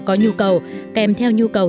có nhu cầu kèm theo nhu cầu